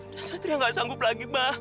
dan satria gak sanggup lagi